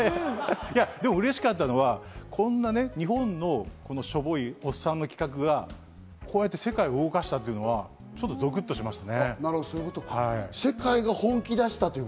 でもうれしかったのは、日本のこんなしょぼいおっさんの企画が、こうやって世界を動かしたというのは、ちょっとゾクッとしましたね。